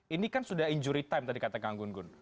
ini kan sudah injury time tadi kata kang gunggun